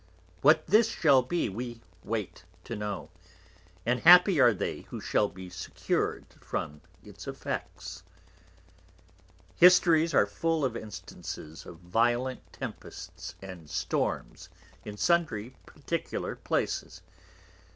What this shall be, we wait to know; and happy are they who shall be secured from its Effects. Histories are full of Instances of violent Tempests and Storms in sundry particular Places.